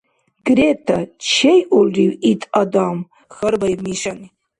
— Грета, чейулрив ит адам? — хьарбаиб Мишани.